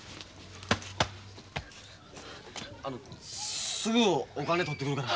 あのすぐお金取ってくるから。